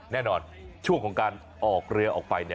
ในช่วงของการออกเรือออกไป